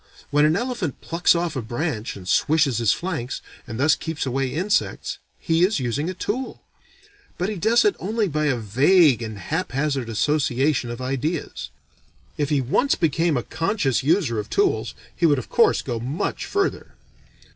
When an elephant plucks off a branch and swishes his flanks, and thus keeps away insects, he is using a tool. But he does it only by a vague and haphazard association of ideas. If he once became a conscious user of tools he would of course go much further.